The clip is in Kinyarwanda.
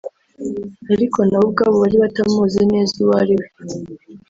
ariko na bo ubwabo bari batamuzi neza uwo ari we